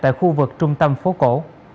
tại khu vực trung tâm phố cổ